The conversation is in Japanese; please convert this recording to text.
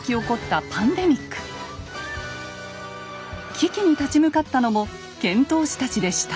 危機に立ち向かったのも遣唐使たちでした。